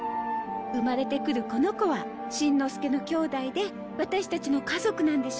生まれてくるこの子はしんのすけのきょうだいでワタシたちの家族なんでしょ？